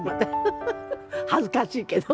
フフフ。恥ずかしいけど。